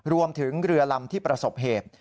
รวมถึงเรือลำที่ประสบเหตุ